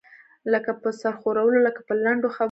لکه په سر ښورولو، لکه په لنډو خبرو.